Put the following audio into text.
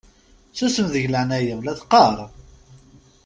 Susem deg leɛnaya-m la teqqaṛ!